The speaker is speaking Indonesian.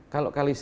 kalau kali seribu